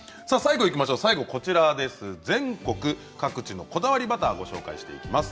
最後はこちら、全国各地のこだわりバターをご紹介していきます。